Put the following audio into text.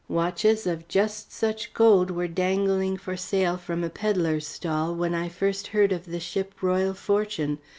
Watches of just such gold were dangling for sale on a pedler's stall when first I heard of the ship Royal Fortune.